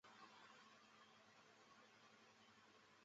但香川真司仍留在大阪樱花。